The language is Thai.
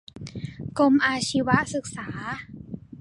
กรมอาชีวศึกษา